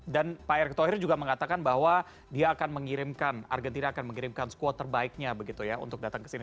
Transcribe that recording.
dan pak erik thohir juga mengatakan bahwa dia akan mengirimkan argentina akan mengirimkan squad terbaiknya begitu ya untuk datang kesini